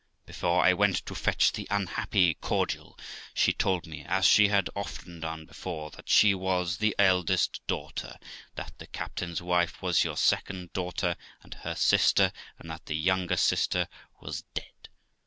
Before I went to fetch the unhappy cordial, she told me, as she had often done before, that she was the eldest daughter, that the captain's wife was your second daughter, and her sister, and that the youngest sister was dead.